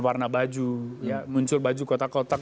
warna baju ya muncul baju kotak kotak